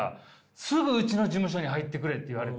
「すぐうちの事務所に入ってくれ」って言われて。